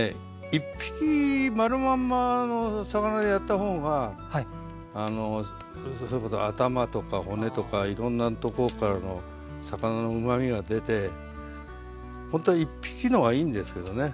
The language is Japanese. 一匹丸まんまの魚でやった方があのそれこそ頭とか骨とかいろんなとこからの魚のうまみが出てほんとは一匹の方がいいんですけどね。